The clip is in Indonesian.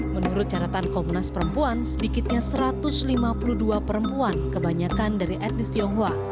menurut caratan komnas perempuan sedikitnya satu ratus lima puluh dua perempuan kebanyakan dari etnis tionghoa